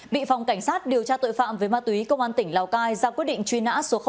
bị phòng cảnh sát điều tra tội phạm về ma túy công an tỉnh lào cai ra quyết định truy nã số một